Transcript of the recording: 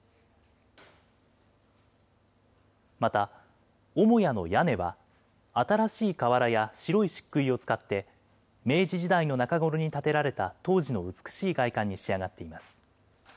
また、母屋の屋根は、新しいかわらや白いしっくいを使って、明治時代の中ごろに建てられた当時の美しい外観に仕上がっています。